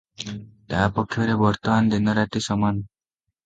ତା’ ପକ୍ଷରେ ବର୍ତ୍ତମାନ ଦିନରାତି ସମାନ।